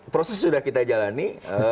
proses sudah kita jalani